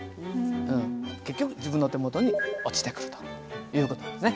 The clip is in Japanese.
結局自分の手元に落ちてくるという事ですね。